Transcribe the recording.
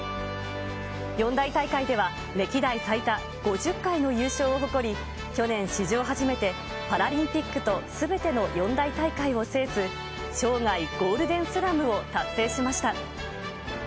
四大大会では、歴代最多５０回の優勝を誇り、去年史上初めて、パラリンピックとすべての四大大会を制す、生涯ゴールデンスラムを達成しました。